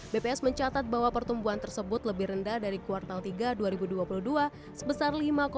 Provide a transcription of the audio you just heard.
bps mencatat bahwa pertumbuhan tersebut lebih rendah dari kuartal tiga dua ribu dua puluh dua sebesar lima dua